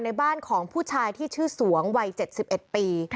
ในบ้านของผู้ชายที่ชื่อสวงวัย๗๑ปี